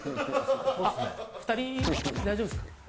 あっ２人大丈夫ですか？